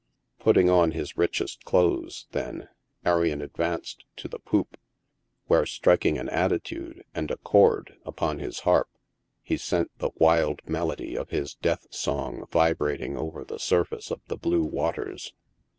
Putting on his richest clothes, then, Arion advanced to the poop, where, striking an attitude and a chord upon his harp, he sent the wild mel ody of his death song vibrating over the surface of the blue waters.